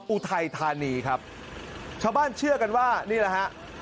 อุทัยธานีครับชาวบ้านเชื่อกันว่านี่แหละฮะ